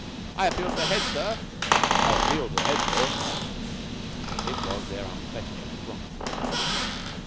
"I appeal to the head, sir." "I appeal to the Head, sir." It was their unquestioned right.